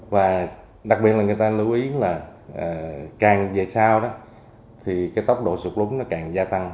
và đặc biệt là người ta lưu ý là càng về sau tốc độ sụt lúng càng gia tăng